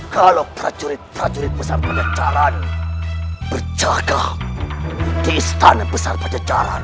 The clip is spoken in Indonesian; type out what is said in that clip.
kalau prajurit prajurit besar pajajaran berjaga di istana pajajaran